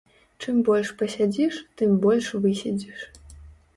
Чым больш пасядзіш, тым больш выседзіш.